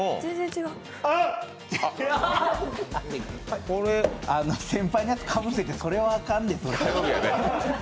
ああっ先輩のやつにかぶせてそれはあかんで。